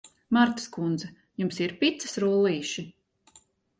Martas kundze, jums ir picas rullīši?